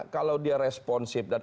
kalau dia responsif dan